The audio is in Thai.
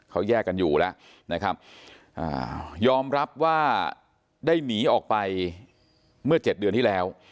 เขาแยกกันอยู่แล้วนะครับยอมรับว่าได้หนีออกไปเมื่อ๗เดือนที่แล้ว